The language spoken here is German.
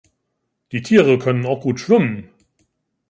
Die Tiere können auch gut schwimmen.